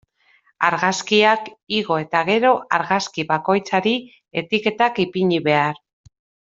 Argazkiak igo eta gero, argazki bakoitzari etiketak ipini behar.